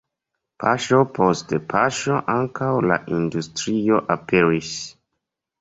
Paŝo post paŝo ankaŭ la industrio aperis.